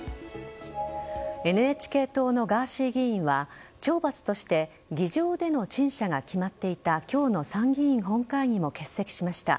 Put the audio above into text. ＮＨＫ党のガーシー議員は懲罰として議場での陳謝が決まっていた今日の参議院本会議も欠席しました。